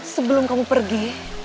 sebelum kamu pergi